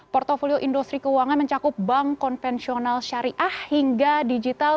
portfolio industri keuangan mencakup bank konvensional syariah hingga digital